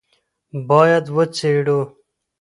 باید وڅېړو